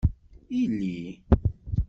Ili.